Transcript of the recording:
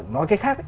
nói cách khác